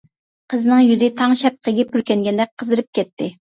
قىزنىڭ يۈزى تاڭ شەپىقىگە پۈركەنگەندەك قىزىرىپ كەتتى.